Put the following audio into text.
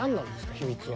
秘密は。